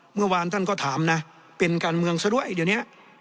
เมื่อวานท่านก็ถามนะเป็นการเมืองซะด้วยเดี๋ยวนี้